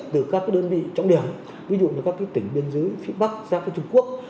từ các đơn vị trọng điểm ví dụ như các tỉnh bên dưới phía bắc ra với trung quốc